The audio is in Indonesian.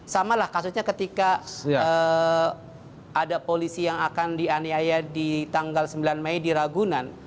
samalah kasusnya ketika ada polisi yang akan dianiaya di tanggal sembilan mei di ragunan